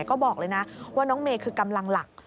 ก็บอกเลยนะว่าน้องเมย์คือกำลังหลัก